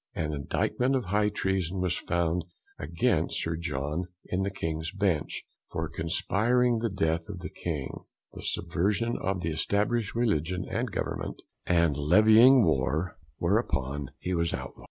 An Indictment of High Treason was found against Sir John in the King's Bench, for conspiring the Death of the King, the Subversion of the Established Religion and Government, and Levying War, whereupon he was outlawed.